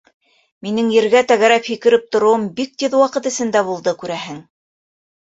Минең ергә тәгәрәп һикереп тороуым бик тиҙ ваҡыт эсендә булды, күрәһең.